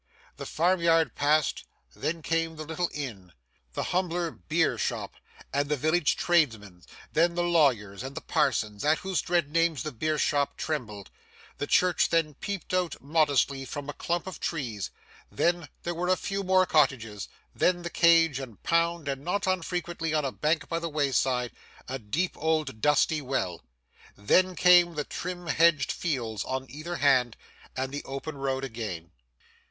The farm yard passed, then came the little inn; the humbler beer shop; and the village tradesman's; then the lawyer's and the parson's, at whose dread names the beer shop trembled; the church then peeped out modestly from a clump of trees; then there were a few more cottages; then the cage, and pound, and not unfrequently, on a bank by the way side, a deep old dusty well. Then came the trim hedged fields on either hand, and the open road again.